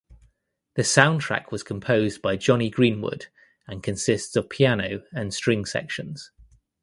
The soundtrack was composed by Jonny Greenwood and consists of piano and string sections.